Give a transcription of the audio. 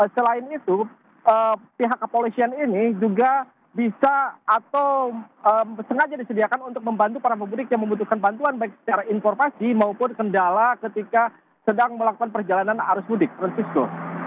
selain itu pihak kepolisian ini juga bisa atau sengaja disediakan untuk membantu para pemudik yang membutuhkan bantuan baik secara informasi maupun kendala ketika sedang melakukan perjalanan arus mudik francisco